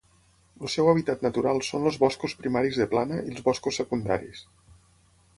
El seu hàbitat natural són els boscos primaris de plana i els boscos secundaris.